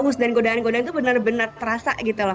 bagus dan godaan godaan itu benar benar terasa gitu loh